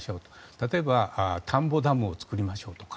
例えば田んぼダムを作りましょうとか。